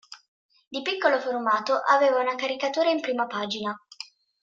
Di piccolo formato aveva una caricatura in prima pagina.